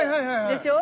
でしょう？